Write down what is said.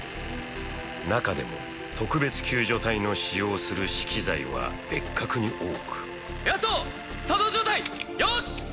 中でも特別救助隊の使用する資器材は別格に多くエアソー作動状態よし。